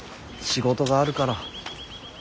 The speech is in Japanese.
仕事があるから。